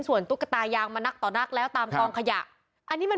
ส่วนตุ๊กตายางมานักต่อนักแล้วตามกองขยะอันนี้มัน